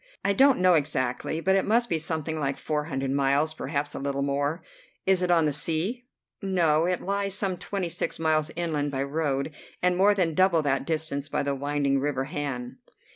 "I don't know exactly, but it must be something like four hundred miles, perhaps a little more." "It is on the sea?" "No. It lies some twenty six miles inland by road, and more than double that distance by the winding river Han."